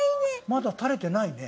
まだ垂れてないね。